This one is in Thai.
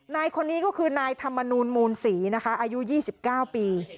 นายคนนี้ก็คือนายธรรมนูลมูลศรีนะคะอายุ๒๙ปี